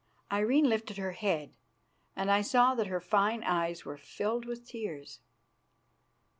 Irene lifted her head, and I saw that her fine eyes were filled with tears.